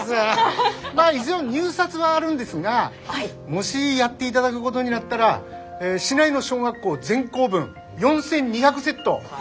まあ一応入札はあるんですがもしやっていただくごどになったら市内の小学校全校分４，２００セット